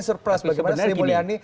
surprise bagaimana sri mulyani